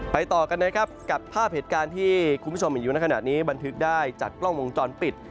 ต่อกันนะครับกับภาพเหตุการณ์ที่คุณผู้ชมเห็นอยู่ในขณะนี้บันทึกได้จากกล้องวงจรปิด